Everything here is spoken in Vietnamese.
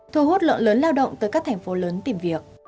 thu hút lượng lớn lao động tới các thành phố lớn tìm việc